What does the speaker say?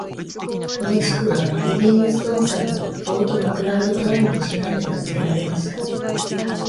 この地区は、リヴィングストン山とフォートマクラウドタウンにちなんで名付けられました。